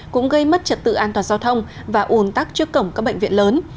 cũng gây mất trật tự an toàn giao thông và ủn tắc trước cổng các bệnh viện lớn